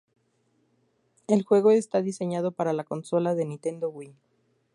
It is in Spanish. El juego está diseñado para la consola de Nintendo Wii.